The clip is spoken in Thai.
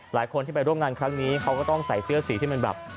หลายคนที่ไปร่วมงานครั้งนี้เขาก็ต้องใส่เสื้อสีที่มันแบบ